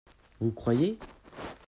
Vous croyez ?